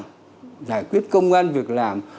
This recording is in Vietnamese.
giải quyết công an việc làm